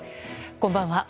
こんばんは。